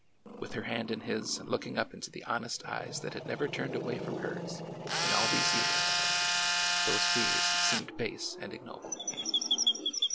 With her hand in his and looking up into the hon est eyes that had never turned away from hers in all these years, those fears seemed base and ignoble.